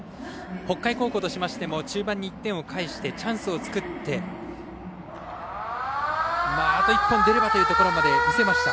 北海高校としましても中盤に１点を返してチャンスを作ってあと１本出ればというところまでいきました。